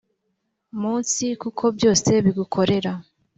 munsi kuko byose bigukorera